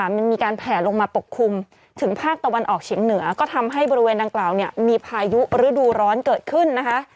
มันมีการแผลลงมาปกคลุมถึงภาคตะวันออกเฉียงเหนือก็ทำให้บริเวณดังกล่าวเนี่ยมีพายุฤดูร้อนเกิดขึ้นนะคะ